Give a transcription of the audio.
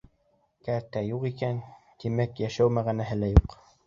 Кәртә юҡ икән, тимәк, йәшәү мәғәнәһе лә юҡ.